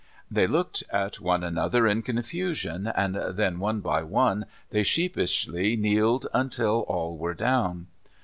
They looked at one another in confusion, and then one by one they sheepishly kneeled until all were down.